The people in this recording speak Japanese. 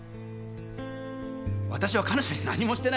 私は彼女に何もしてない。